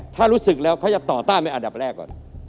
ถ้ารู้สึกแล้วเขาจะต่อต้านเป็นอันดับแรกก่อน